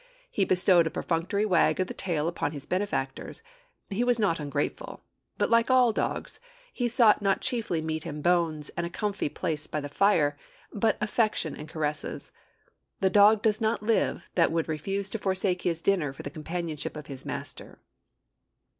He bestowed a perfunctory wag of the tail upon his benefactors he was not ungrateful; but, like all dogs, he sought not chiefly meat and bones and a comfortable place by the fire, but affection and caresses. The dog does not live that would refuse to forsake his dinner for the companionship of his master.